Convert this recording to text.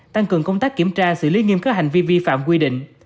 tăng cường công tác kiểm tra xử lý nghiêm các hành vi vi phạm quy định